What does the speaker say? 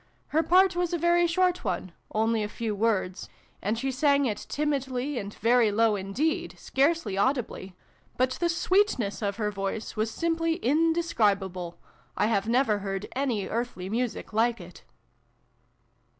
Her part was a very short one only a few words and she sang it timidly, and very low indeed, scarcely audibly, but the sweetness 'x 306 SYLVIE AND BRUNO CONCLUDED. of her voice was simply indescribable ; I have never heard any earthly music like it.